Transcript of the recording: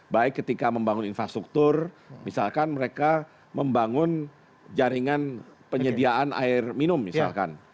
baik ketika membangun infrastruktur misalkan mereka membangun jaringan penyediaan air minum misalkan